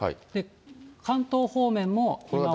関東方面も、今は。